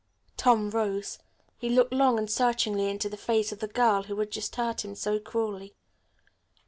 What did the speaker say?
Tom rose. He looked long and searchingly into the face of the girl who had just hurt him so cruelly.